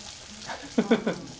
フフフフ。